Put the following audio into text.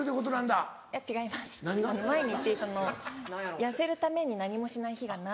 毎日痩せるために何もしない日がない。